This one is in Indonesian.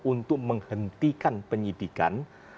untuk menghentikan penyidikan